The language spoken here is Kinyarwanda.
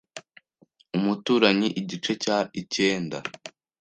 umuturanyi Igice cya icyenda